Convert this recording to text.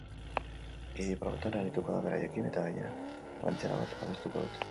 Idi-probetan arituko da beraiekin, eta, gainera, ranchera bat abestuko dute.